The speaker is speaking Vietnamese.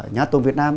nhà tôn việt nam